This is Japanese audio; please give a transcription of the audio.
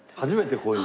こういうの。